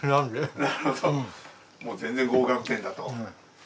なるほどもう全然合格点だと。